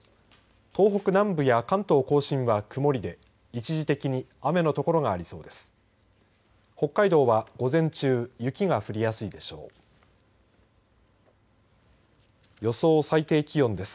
東北南部や関東甲信は曇りで一時的に雨の所がありそうです。